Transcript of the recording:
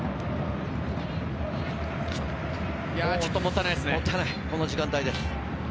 ちょっともったいないでこの時間帯。